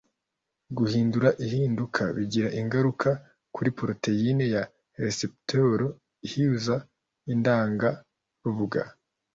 Guhindura ihinduka bigira ingaruka kuri poroteyine ya reseptor ihuza indangarubuga